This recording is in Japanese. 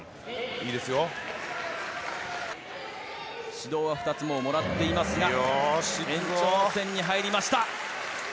指導は２つもらっていますが、延長戦に入りました。